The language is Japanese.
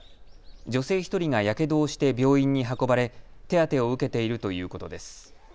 女性１人がやけどをして病院に運ばれ手当てを受けているということです。